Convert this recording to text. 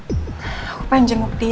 aku pengen jenguk dia